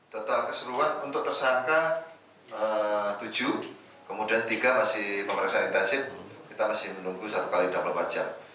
total keseruan untuk tersangka tujuh kemudian tiga masih pemeriksaan intensif kita masih menunggu satu kali dalam lewat jam